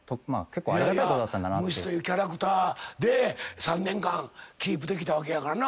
むしというキャラクターで３年間キープできたわけやからな。